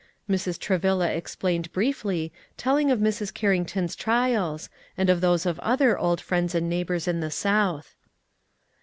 Mrs. Travilla explained briefly, telling of Mrs. Carrington's trials, and of those of other old friends and neighbors in the South.